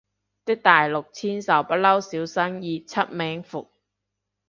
啲大陸簽售不嬲少生意，出名伏